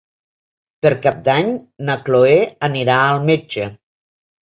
Per Cap d'Any na Cloè anirà al metge.